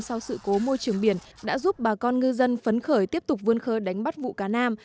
sau sự cố môi trường biển đã giúp bà con ngư dân phấn khởi tiếp tục vươn khơi đánh bắt vụ cá nam